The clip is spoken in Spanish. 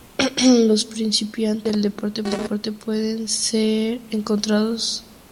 Los principiantes al deporte pueden encontrar escuelas de windsurf enfrente de la playa.